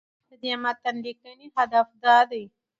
د دې متن لیکنې هدف دا دی